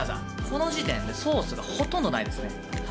この時点でソースがほとんどないですね。